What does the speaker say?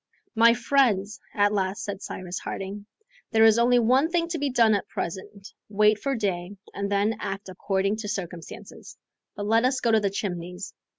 "My friends," at last said Cyrus Harding, "there is only one thing to be done at present; wait for day, and then act according to circumstances. But let us go to the Chimneys.